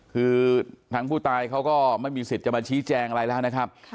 คือทางผู้ตายเขาก็ไม่มีสิทธิ์จะมาชี้แจงอะไรแล้วนะครับ